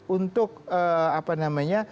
untuk apa namanya